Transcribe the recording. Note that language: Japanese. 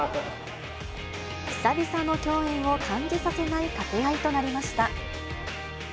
久々の共演を感じさせない掛け合いとなりました。